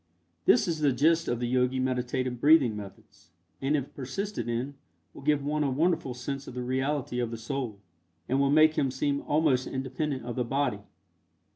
This is the gist of the Yogi meditative breathing methods, and if persisted in will give one a wonderful sense of the reality of the Soul, and will make him seem almost independent of the body.